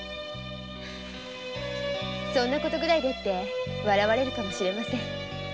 「そんな事ぐらいで」と笑われるかもしれません。